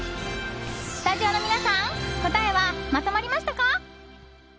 スタジオの皆さん答えはまとまりましたか？